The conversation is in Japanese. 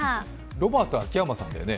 ロバート秋山さんだよね？